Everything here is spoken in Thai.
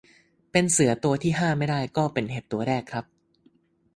เป็นเสือตัวที่ห้าไม่ได้ ก็เป็นเห็บตัวแรกครับ